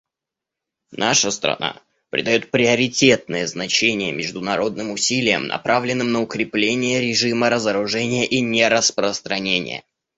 Наша страна придает приоритетное значение международным усилиям, направленным на укрепление режима разоружения и нераспространения.